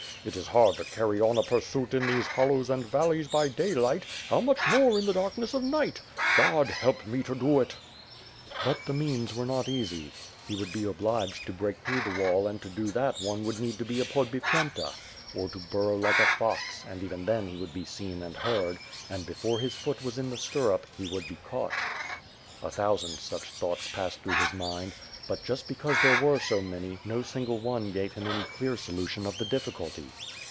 It is hard to carry on a pursuit in these hollows and valleys by daylight, how much more in the darkness of night! God help me to do it!" But the means were not easy. He would be obliged to break through the wall and to do that one would need be a Podbipyenta; or to burrow like a fox, and even then he would be seen and heard; and, before his foot was in the stirrup, he would be caught. A thousand such thoughts passed through his mind; but, just because there were so many, no single one gave him any clear solution of the difficulty.